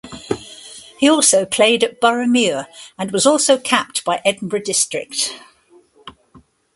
He also played at Boroughmuir and was also capped by Edinburgh District.